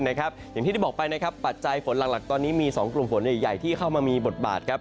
อย่างที่ได้บอกไปนะครับปัจจัยฝนหลักตอนนี้มี๒กลุ่มฝนใหญ่ที่เข้ามามีบทบาทครับ